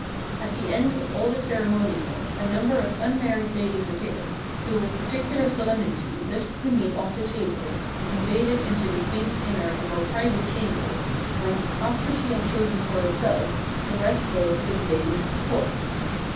"At the end of all this ceremonial, a number of unmarried "ladies appeared, who with particular solemnity lifted the "meat off the table and conveyed it into the Queen's inner "and more private chamber, when, after she had chosen for "herself, the rest goes to the ladies of the Court.